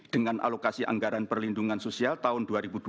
dengan alokasi anggaran perlindungan sosial tahun dua ribu dua puluh